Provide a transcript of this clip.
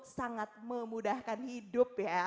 sangat memudahkan hidup ya